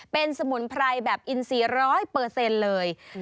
เป็นสมุนไพรแบบอินสีร้อยเปอร์เซ็นต์เลย